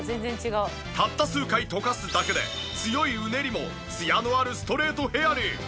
たった数回とかすだけで強いうねりもツヤのあるストレートヘアに。